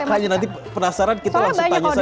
hanya nanti penasaran kita langsung tanya saja